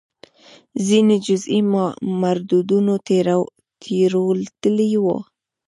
ځینې جزئي موردونو تېروتلي وو.